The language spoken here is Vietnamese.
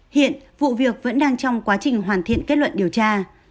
hiện vụ việc vẫn đang trong quá trình hoàn thiện kết luận điều tra